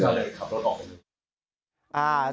ก็เลยขับรถออกไปเลย